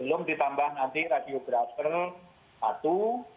belum ditambah nanti radiografer satu